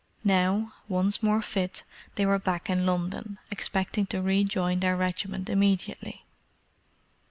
Now, once more fit, they were back in London, expecting to rejoin their regiment immediately.